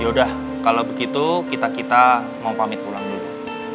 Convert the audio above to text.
yaudah kalau begitu kita kita mau pamit pulang dulu